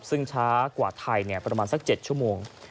ซึ่งช้ากว่าไทยประมาณสัก๗ชั่วโมง